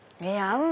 うん！